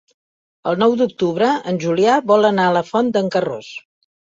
El nou d'octubre en Julià vol anar a la Font d'en Carròs.